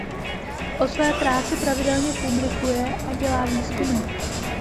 O své práci pravidelně publikuje a dělá výzkumy.